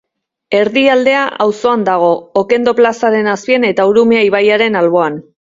Erdialdea auzoan dago, Okendo plazaren azpian eta Urumea ibaiaren alboan.